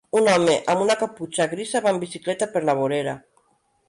Un home amb una caputxa grisa va en bicicleta per la vorera.